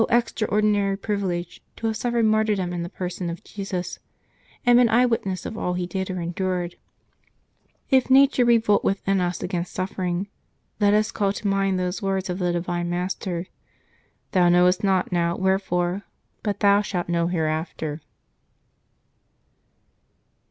extraordinary privilege, to have suffered martyrdom in the person of Jesus, and been eye witness of all He did or endured ! If nature revolt within us against suffering, let us call to mind those words of the divine Master :" Thou knowest not now wherefore ; but thou shalt know hereafter."